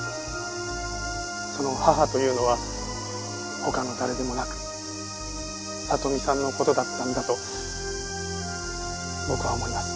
その母というのは他の誰でもなく里美さんの事だったんだと僕は思います。